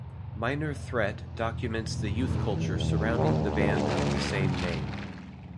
"Minor Threat" documents the youth culture surrounding the band of the same name.